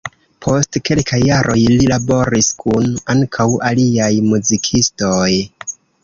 Post kelkaj jaroj li laboris kun ankaŭ aliaj muzikistoj.